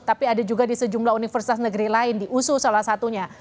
tapi ada juga di sejumlah universitas negeri lain di usu salah satunya